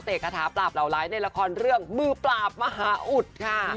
กระถาปราบเหล่าร้ายในละครเรื่องมือปราบมหาอุดค่ะ